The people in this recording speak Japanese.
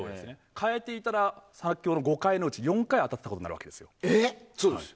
変えていたら先ほどの５回のうち当たってたことになるわけですよ。